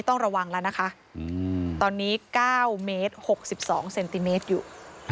ต้องระวังแล้วนะคะตอนนี้๙เมตร๖๒เซนติเมตรอยู่